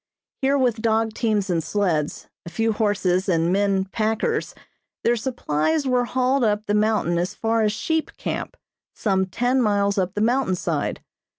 Here with dog teams and sleds, a few horses and men "packers," their supplies were hauled up the mountain as far as "Sheep Camp," some ten miles up the mountain side.